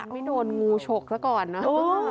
ไม่โดนงูฉกซะก่อนนะ